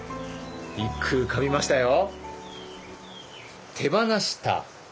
一句浮かびましたよ。